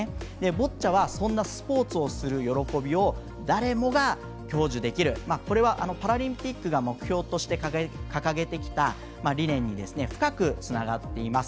ボッチャはそんなスポーツをする喜びを誰もが享受できるこれは、パラリンピックが目標として掲げてきた理念に深くつながっています。